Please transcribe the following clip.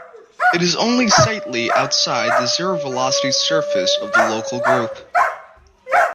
It is only slightly outside the zero-velocity surface of the Local Group.